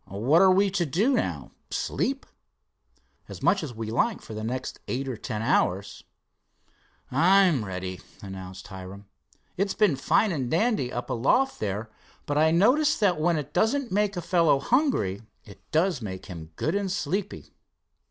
"What are we to do now sleep?" "As much as we like for the next eight or ten hours." "I'm ready," announced Hiram. "It's been fine and dandy up aloft there, but I notice that when it doesn't make a fellow hungry it does make him good and sleepy."